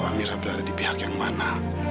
amira berada di pihak yang mana